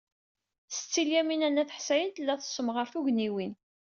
Setti Lyamina n At Ḥsayen tella tessemɣar tugniwin.